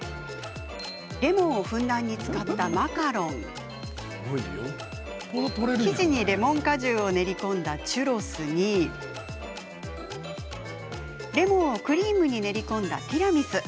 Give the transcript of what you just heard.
レモンをふんだんに使ったマカロン生地にレモン果汁を練り込んだチュロスにレモンをクリームに練り込んだティラミス。